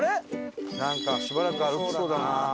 なんかしばらく歩きそうだな。